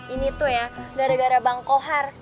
ini tuh ya gara gara bang kohar